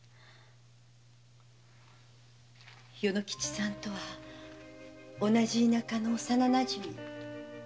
与之吉さんとは同じ田舎の幼なじみ。